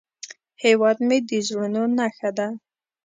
هیواد مې د زړونو نخښه ده